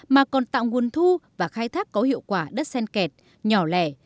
mà còn tạo nguồn thu và khai thác có hiệu quả đất sen kẹt nhỏ lẻ